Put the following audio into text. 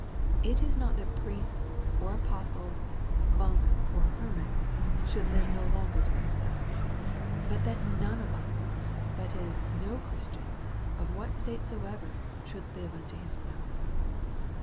It is not that priests, or apostle , inonks, or hermits^ should live no longer to themselves ; but that none of us, that is, no Christian, of what state soever, should live unto himself.